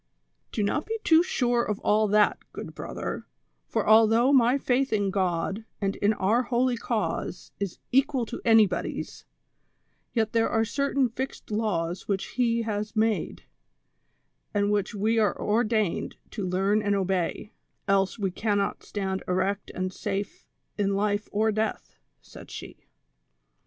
"Do not be too sure of all that, good brother; for al though my faith in God and in our lioly cause is equal to anybody's, yet there are certain fixed laws which lie has made, and which we are ordained to learn and obey, else Ave cannot stand erect and safe in life or death," said she.